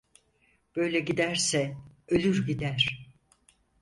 Böyle giderse ölür gider...